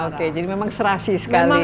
oke jadi memang serasi sekali